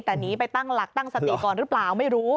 แต่หนีไปตั้งหลักตั้งสติก่อนหรือเปล่าไม่รู้